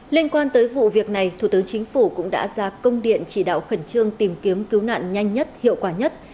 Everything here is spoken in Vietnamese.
liên quan tới vụ việc này thủ tướng chính phủ cũng đã ra công điện chỉ đạo khẩn trương tìm kiếm cứu nạn nhanh nhất hiệu quả nhất